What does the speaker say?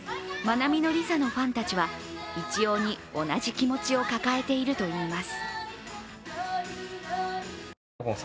なみのりさのファンたちは一様に同じ気持ちを抱えているといいます。